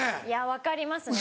分かりますね